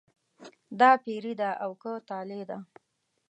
دا پیري ده او که طالع ده.